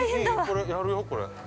◆これ、やるよ、これ。